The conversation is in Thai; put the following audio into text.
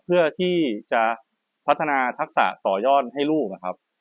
เพื่อที่จะพัฒนาทักษะต่อยอดให้ลูกนะครับ